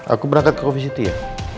aku berangkat ke covisity ya